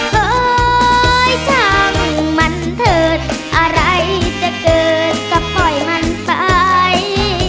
เฮ้ยช่างมันเถิดอะไรจะเกิดก็ปล่อยมันไป